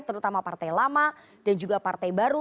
terutama partai lama dan juga partai baru